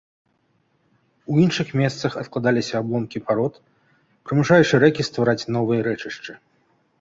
У іншых месцах адкладаліся абломкі парод, прымушаючы рэкі ствараць новыя рэчышчы.